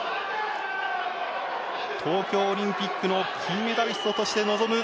東京オリンピックの金メダリストとして臨む